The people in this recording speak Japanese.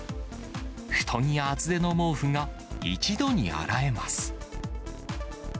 布団や厚手の毛布が、一度に洗えます。